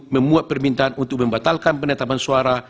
memuat permintaan untuk membatalkan penetapan suara